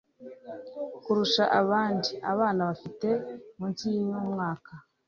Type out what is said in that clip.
kurusha abandi? abana bafite munsi y'umwaka